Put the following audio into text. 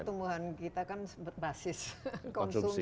pertumbuhan kita kan berbasis konsumsi